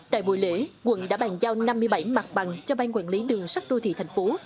tại buổi lễ quận đã bàn giao năm mươi bảy mặt bằng cho bang quản lý đường sắt đô thị tp hcm